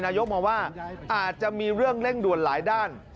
มองว่าอาจจะมีเรื่องเร่งด่วนหลายด้าน